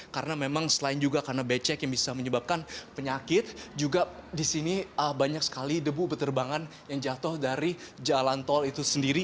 karena memang selain juga karena becek yang bisa menyebabkan penyakit juga di sini banyak sekali debu berterbangan yang jatuh dari jalan tol itu sendiri